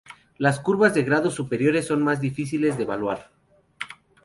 Las curvas de grados superiores son más difíciles de evaluar.